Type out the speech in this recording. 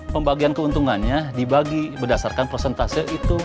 pembagian keuntungannya dibagi berdasarkan prosentase itu